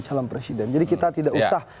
calon presiden jadi kita tidak usah